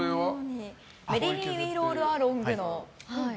「メリリー・ウィー・ロール・アロング」の。